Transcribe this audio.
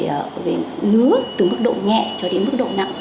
ở ngứa từ mức độ nhẹ cho đến mức độ nặng